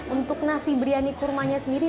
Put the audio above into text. untuk nasi biryani kurmanya sendiri